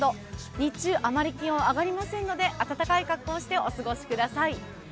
日中あまり気温上がりませんので、暖かい格好をしてお過ごしください。